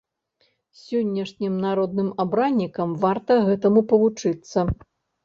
Сённяшнім народным абраннікам варта гэтаму павучыцца.